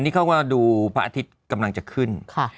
นี่เขาก็ดูพระอาทิตย์กำลังจะขึ้น